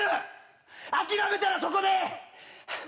諦めたらそこで。